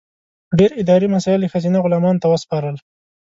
ډېر اداري مسایل یې ښځینه غلامانو ته وسپارل.